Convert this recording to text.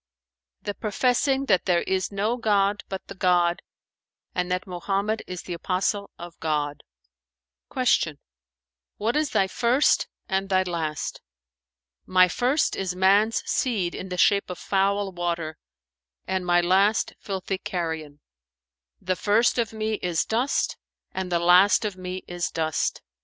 "The professing that there is no god but the God and that Mohammed is the apostle of God." Q "What is thy first and thy last?" "My first is man's seed in the shape of foul water and my last filthy carrion: the first of me is dust and the last of me is dust.